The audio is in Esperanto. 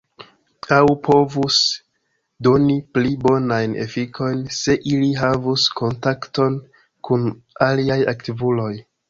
Aŭ povus doni pli bonajn efikojn, se ili havus kontakton kun aliaj aktivuloj.